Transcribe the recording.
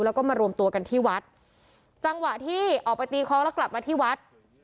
แล้วก็มารวมตัวกันที่วัดจังหวะที่ออกไปตีคล้องแล้วกลับมาที่วัด